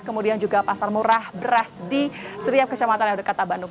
kemudian juga pasar murah beras di setiap kecamatan yang dekat bandung